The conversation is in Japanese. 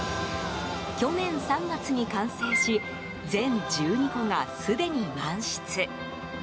去年３月に完成し全１２戸がすでに満室。